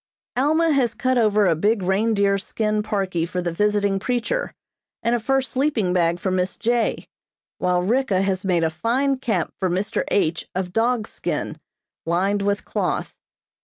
Alma has cut over a big reindeer skin parkie for the visiting preacher, and a fur sleeping bag for Miss J., while Ricka has made a fine cap for Mr. H. of dog's skin, lined with cloth.